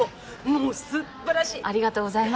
もうすっばらしい。